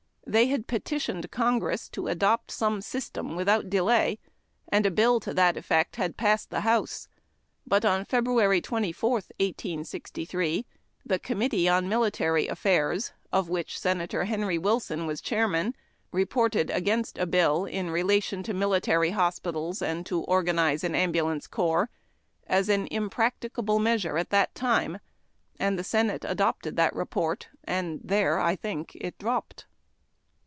They had petitioned Congress to adopt some system without delay, and a bill to that effect had passed the House, but on Feb. 24, 1863, the Committee on Military Affairs, of which Senator Henry Wilson was chairman, reported against a bill •' in relation to Military Hospitals and to organize an Ambu lance Corj^s," as an impracticable measure at that time, and the Senate adopted the report, and there, I think, it dropped.